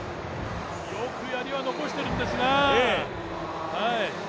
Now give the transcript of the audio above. よく、やりは残しているんですが。